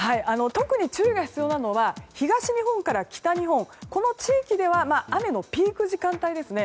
特に注意が必要なのは東日本から北日本の地域では雨のピーク時間帯ですね